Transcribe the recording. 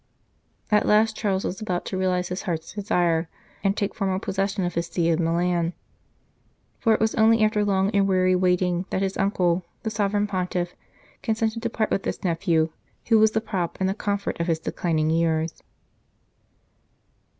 At last Charles was about to realize his heart s desire, and take formal possession of his See of Milan ; for it was only after long and weary waiting that his uncle, the Sovereign Pontiff, consented to part with this nephew who was the prop and the comfort of his declining years.